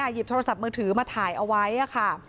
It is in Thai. หยิบโทรศัพท์มือถือมาถ่ายเอาไว้ค่ะ